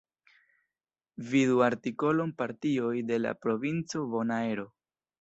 Vidu artikolon Partioj de la Provinco Bonaero.